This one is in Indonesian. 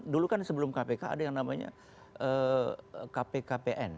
dulu kan sebelum kpk ada yang namanya kpkpn